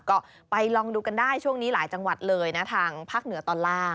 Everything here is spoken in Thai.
ก็ไปลองดูกันได้ช่วงนี้หลายจังหวัดเลยนะทางภาคเหนือตอนล่าง